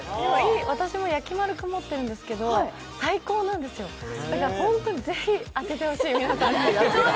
私もやきまる君持ってるんですけど、最高なんですよ、だからぜひ当ててほしい皆さんに。